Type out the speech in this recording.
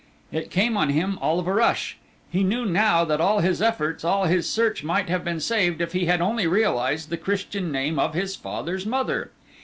It came on him all of a rush. He knew now that all his efforts, all his search might have been saved, if he had only realized the Christian name of his father's mother.